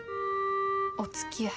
おつきあい？